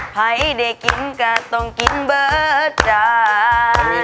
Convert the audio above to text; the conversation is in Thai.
ไฮเดช์ไดกิ้มกะต่องกิ้นเบอร์ทันน